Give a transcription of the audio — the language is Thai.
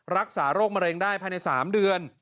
รักษาโรคมะเร็งได้ภายใน๓เดือน